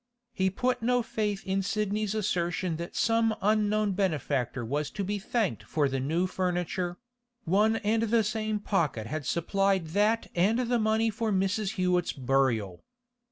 He put no faith in Sidney's assertion that some unknown benefactor was to be thanked for the new furniture; one and the same pocket had supplied that and the money for Mrs. Hewett's burial.